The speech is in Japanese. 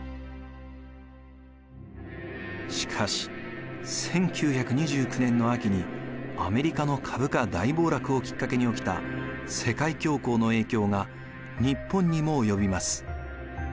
しかし１９２９年の秋にアメリカの株価大暴落をきっかけに起きた世界恐慌の影響が日本にも及びます。